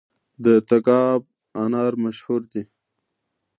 د تګاب انار مشهور دي